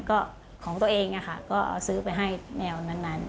ก็ของตัวเองก็ซื้อไปให้แมวนั้น